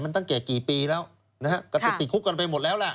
มันตั้งแก่กี่ปีแล้วนะฮะก็ติดคุกกันไปหมดแล้วล่ะ